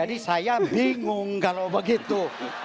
jadi saya bingung kalau begitu